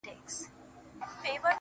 اوس و شپې ته هيڅ وارخطا نه يمه,